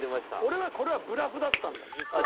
俺はこれはブラフだったんだよ実は。